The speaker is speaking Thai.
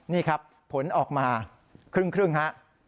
นี่ครับผลออกมาครึ่งฮะ